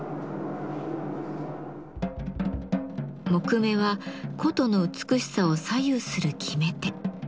木目は箏の美しさを左右する決め手。